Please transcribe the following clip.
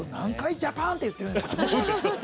「ジャパン」って言ってるんですかね。